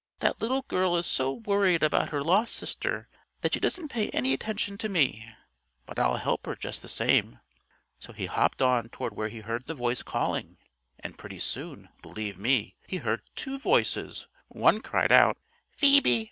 "That little girl is so worried about her lost sister that she doesn't pay any attention to me. But I'll help her just the same." So he hopped on toward where he heard the voice calling, and pretty soon, believe me, he heard two voices. One cried out: "Phoebe!